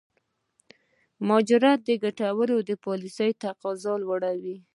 مهاجرتي ګټورې پالېسۍ تقاضا لوړوي.